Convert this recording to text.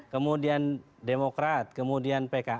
kemudian demokratiknya sudah berubah